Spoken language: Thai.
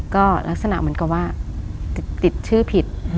ก็ลักษณะเหมือนกับว่าติดชื่อผิด